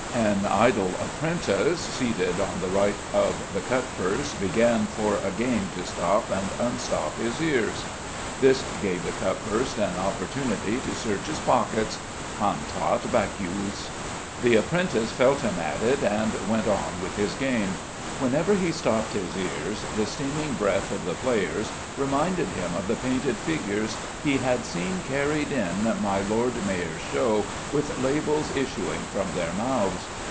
An idle apprentice, seated on the right of the cutpurse, began for a game to stop and unstop his ears. This gave the cutpurse an opportunity to search his pockets. Cantat vacuus: the apprentice felt him at it and went on with his game. Whenever he stopped his ears the steaming breath of the players reminded him of the painted figures he had seen carried in my Lord Mayor's Show, with labels issuing from their mouths.